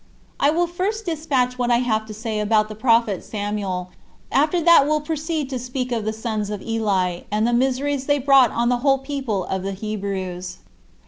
2. I will first despatch what I have to say about the prophet Samuel, and after that will proceed to speak of the sons of Eli, and the miseries they brought on the whole people of the Hebrews.